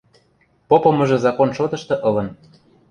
Попымыжы закон шотышты ылын.